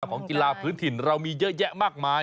ของกีฬาพื้นถิ่นเรามีเยอะแยะมากมาย